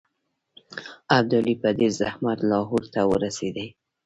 ابدالي په ډېر زحمت لاهور ته ورسېدی.